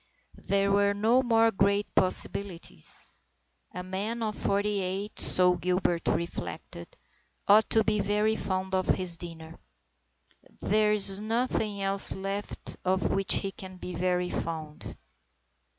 There were no more great possibilities. A man of forty eight, so Gilbert reflected, ought to be very fond of his dinner. There is nothing else left of which he can be very fond.